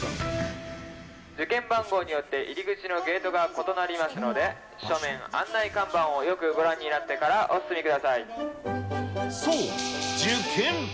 受験番号によって、入り口のゲートが異なりますので、書面、案内看板をよくご覧になっそう、受験。